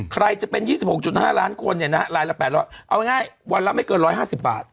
ใครจะเป็น๒๖๕ล้านคนเนี่ยนะฮะรายละ๘๐๐เอาง่ายวันละไม่เกิน๑๕๐บาท